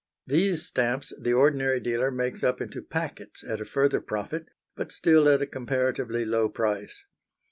Those stamps the ordinary dealer makes up into packets at a further profit, but still at a comparatively low price.